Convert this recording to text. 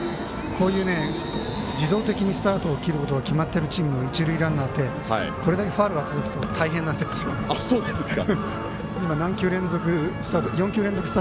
こういう自動的にスタートを切ることが決まってるチームの一塁ランナーってこれだけファウルが続くと大変なんですよね。